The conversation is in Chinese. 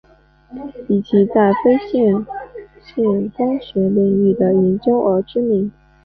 以其在非线性光学领域的研究而知名。